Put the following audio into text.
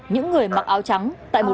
những người mặc áo trắng